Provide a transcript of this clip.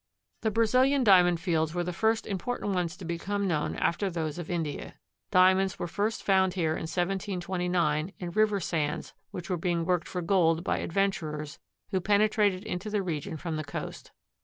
The Brazilian Diamond fields were the first important ones to become known after those of India. Diamonds were first found here in 1729 in river sands which were being worked for gold by adventurers who penetrated into the region from the coast.